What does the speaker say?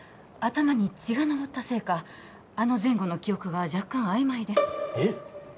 頭に血がのぼったせいかあの前後の記憶が若干あいまいでえっ？